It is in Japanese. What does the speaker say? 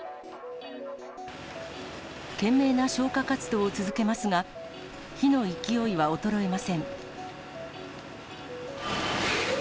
懸命な消火活動を続けますが、火の勢いは衰えません。